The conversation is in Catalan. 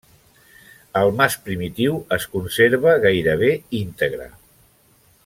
El mas primitiu es conserva gairebé íntegre.